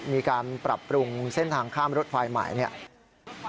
มีการปรับปรุงเส้นทางข้ามรถไฟใหม่เนี่ย